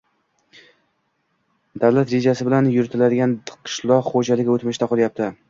avlat rejasi bilan yuritiladigan qishloq xo‘jaligi o‘tmishda qolyapti